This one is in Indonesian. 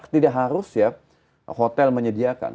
tidak harus ya hotel menyediakan